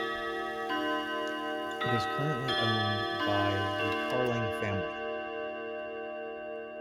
It is currently owned by the Carling family.